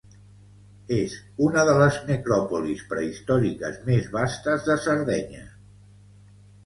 És una de les necròpolis prehistòriques més vastes de Sardenya.